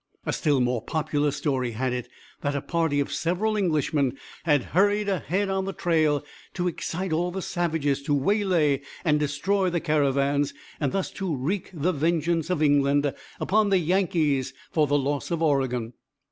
A still more popular story had it that a party of several Englishmen had hurried ahead on the trail to excite all the savages to waylay and destroy the caravans, thus to wreak the vengeance of England upon the Yankees for the loss of Oregon.